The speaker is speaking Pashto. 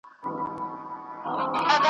دوست ته حال وایه دښمن ته لاپي ,